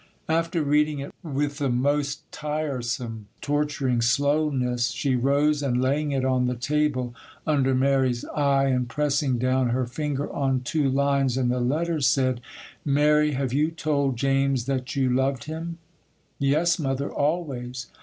After reading it with the most tiresome, torturing slowness, she rose, and laying it on the table under Mary's eye, and, pressing down her finger on two lines in the letter, said, 'Mary, have you told James that you loved him?' 'Yes, mother, always.